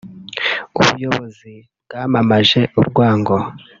ubuyobozi bwamamaje urwango